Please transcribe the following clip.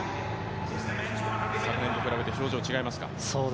昨年と比べて表情違いますか？